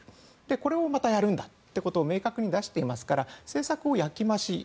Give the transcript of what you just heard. これをまたやるんだと明確に出していますから政策の焼き増しですね。